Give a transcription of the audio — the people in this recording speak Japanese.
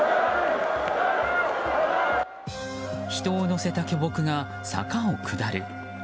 人を乗せた巨木が坂を下る。